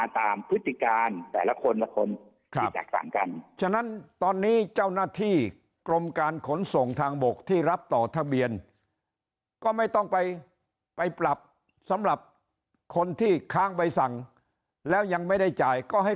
ที่เขาจะพินาตามพฤติการแต่ละคนละคนที่จากฝั่งกัน